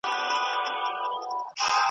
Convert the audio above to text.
د بدو سترګو مخ ته سپر د سپیلینيو درځم .